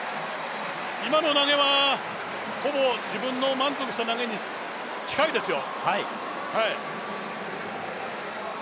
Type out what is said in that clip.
今の投げはほぼ自分の満足した投げに近いですよ。